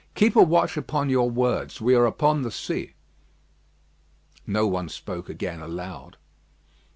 "Keep a watch upon your words. We are upon the sea." No one spoke again aloud.